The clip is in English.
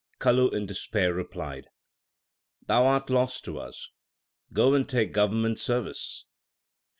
Kalu in despair replied, Thou art lost to us ; go and take government service.